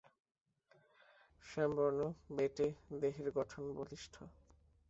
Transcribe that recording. শ্যামবর্ণ, বেঁটে, দেহের গঠন বলিষ্ঠ।